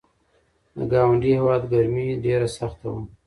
د ګاونډي هیواد ګرمي ډېره سخته وه.